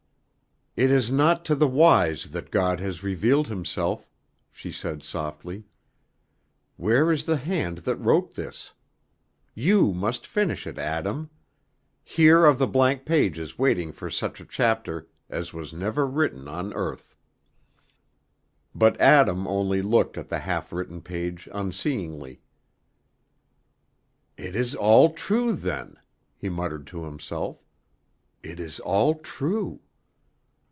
"It is not to the wise that God has revealed himself," she said softly. "Where is the hand that wrote this? You must finish it, Adam. Here are the blank pages waiting for such a chapter as was never written on earth." But Adam only looked at the half written page unseeingly. "It is all true, then," he muttered to himself; "it is all true."